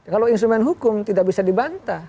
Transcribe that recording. kalau instrumen hukum tidak bisa dibantah